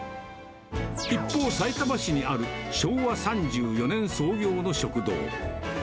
一方、さいたま市にある昭和３４年創業の食堂。